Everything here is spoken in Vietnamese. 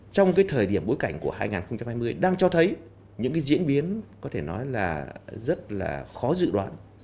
trong thời điểm bối cảnh của hai nghìn hai mươi đang cho thấy những diễn biến rất khó dự đoán